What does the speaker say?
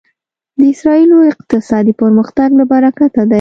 د اسرایلو اقتصادي پرمختګ له برکته دی.